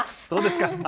そうですか。